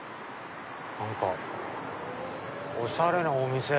何かおしゃれなお店。